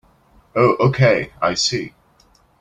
Oh okay, I see.